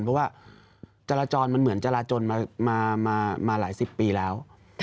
เพราะว่าจราจรมันเหมือนจราจนมาหลายสิบปีแล้ว